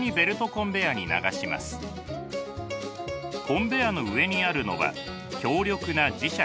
コンベヤーの上にあるのは強力な磁石。